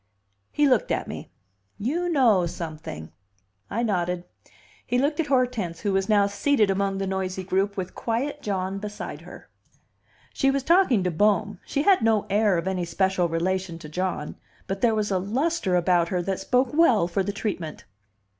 He looked at me. "You know something." I nodded. He looked at Hortense, who was now seated among the noisy group with quiet John beside her. She was talking to Bohm, she had no air of any special relation to John, but there was a lustre about her that spoke well for the treatment.